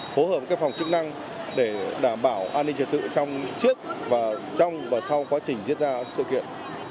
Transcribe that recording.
phối hợp với các phòng chức năng để đảm bảo an ninh trật tự trong trước và trong và sau quá trình diễn ra sự kiện